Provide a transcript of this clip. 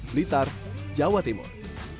blitar jawa timur